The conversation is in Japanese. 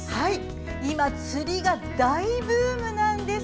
今、釣りが大ブームなんです。